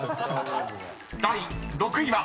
［第６位は］